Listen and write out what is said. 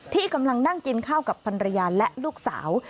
ที่กำลังนั่งกินข้าวกับพันรยาและลูกสาว